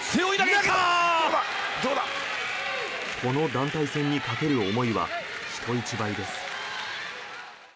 この団体戦にかける思いは人一倍です。